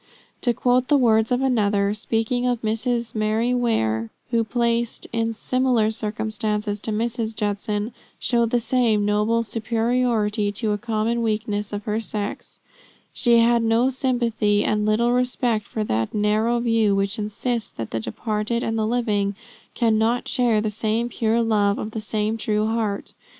To quote the words of another, speaking of Mrs. Mary Ware, who, placed in similar circumstances to Mrs. Judson, showed the same noble superiority to a common weakness of her sex: "She had no sympathy and little respect for that narrow view which insists that the departed and the living cannot share the same pure love of the same true heart.